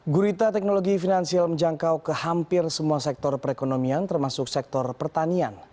gurita teknologi finansial menjangkau ke hampir semua sektor perekonomian termasuk sektor pertanian